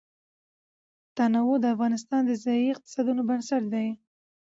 تنوع د افغانستان د ځایي اقتصادونو بنسټ دی.